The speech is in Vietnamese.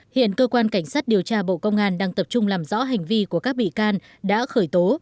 hiện cơ quan cảnh sát điều tra bộ công an đang tập trung làm rõ hành vi của các bị can đã khởi tố